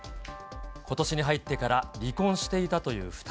ことしに入ってから離婚していたという２人。